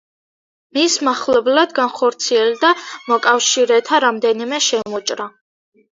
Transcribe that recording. მის მახლობლად განხორციელდა მოკავშირეთა რამდენიმე შემოჭრა.